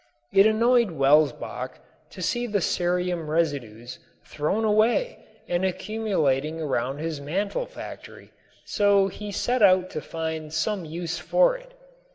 It annoyed Welsbach to see the cerium residues thrown away and accumulating around his mantle factory, so he set out to find some use for it.